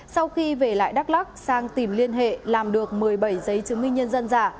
sau khi về lại đắk lắc sang tìm liên hệ làm được một mươi bảy giấy chứng minh nhân dân giả